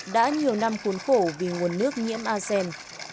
đã nhiều năm khốn khổ vì nguồn nước nhiễm asem